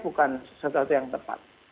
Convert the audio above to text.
bukan sesuatu yang tepat